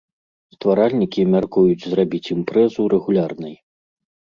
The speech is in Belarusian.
Стваральнікі мяркуюць зрабіць імпрэзу рэгулярнай.